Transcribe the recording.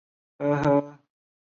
无线感测网路。